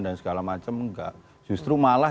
dan segala macam enggak justru malah